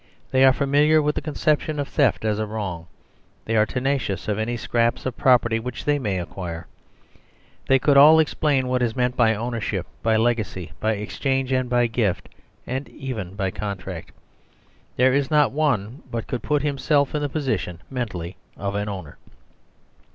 They are familiar with the conception of theft as a wrong; they are ten acious of any scraps of property which they may ac quire. They could all explain what is meant by owner 136 MAKING FOR SERVILE STATE ship, by legacy, by exchange, and by gift, and even by contract. There is not one but could put himself in the position, mentally, of an owner.